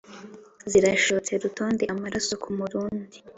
Zirashotse rutonde-Amaraso ku murundi.